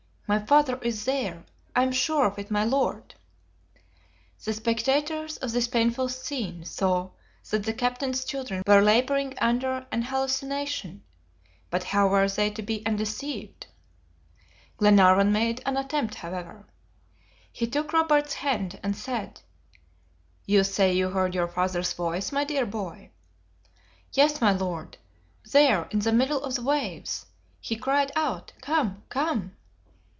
my father is there! I am sure of it, my Lord!" The spectators of this painful scene saw that the captain's children were laboring under an hallucination. But how were they to be undeceived? Glenarvan made an attempt, however. He took Robert's hand, and said, "You say you heard your father's voice, my dear boy?" "Yes, my Lord; there, in the middle of the waves. He cried out, 'Come! come!